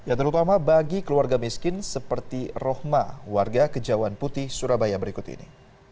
ya terutama bagi keluarga miskin seperti rohma warga kejauhan putih surabaya berikut ini